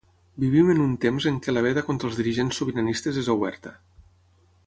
Vivim en un temps en què la veda contra els dirigents sobiranistes és oberta.